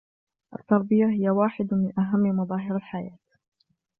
التربية هي واحد من أهم مظاهر الحياة.